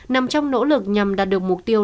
nằm trong nỗ lực nhằm đạt được mục tiêu